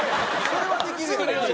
それはできるやろ。